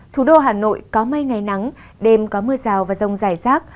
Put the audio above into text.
thủ đô hà nội có mây ngày nắng đêm có mưa rào và rông rải rác